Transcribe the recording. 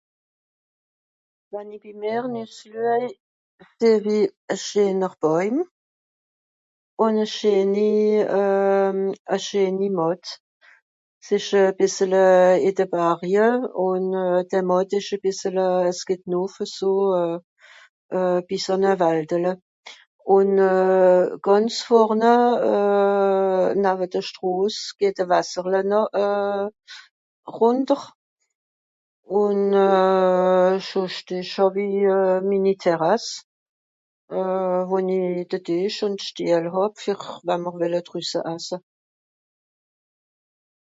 Wann i bi mìr nüss luej seh-w-i e scheener Bàuim ùn e scheeni... e scheeni (...). S'ìsch e bìssele ì de (...) ùn de (...) ìsch e bìssele, es geht nùff eso bìs àn e Waldele. Ùn gànze vorne, nawe de Stros geht e Wasserle nà... rùnter, ùn schùnsch dìs hàw-i minni Terrasse, wo-n-i de Tìsch ùn Stiehl fer wa'mr wìlle drüsse asse.